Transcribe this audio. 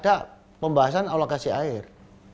ada pembahasan alokasi air